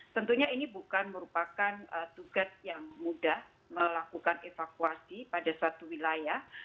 tentunya ini bukan merupakan tugas yang mudah melakukan evakuasi pada suatu wilayah